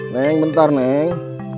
neng bentar neng